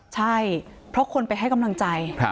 ใช่เพราะคนไปให้กำลังใจ